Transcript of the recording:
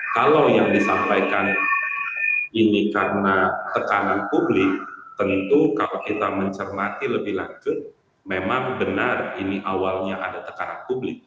kalau yang disampaikan ini karena tekanan publik tentu kalau kita mencermati lebih lanjut memang benar ini awalnya ada tekanan publik